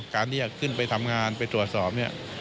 การที่จะขึ้นไปทำงานไปตรวจสอบเนี่ย